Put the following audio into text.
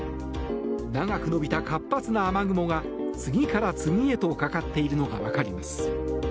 長く延びた活発な雨雲が次から次へとかかっているのが分かります。